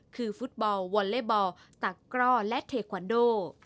คือฟุตบอลวอลเล่บอลตักกร่อและเทควันโด